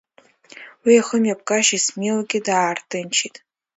Уи ихымҩаԥгашьа Исмилгьы даарҭынчит.